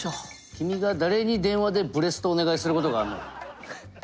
君が誰に電話でブレストをお願いすることがあんのよ。